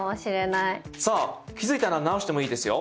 気付いたなら直してもいいですよ。